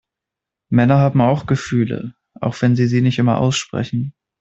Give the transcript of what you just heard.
Männer haben auch Gefühle, auch wenn sie sie nicht immer aussprechen.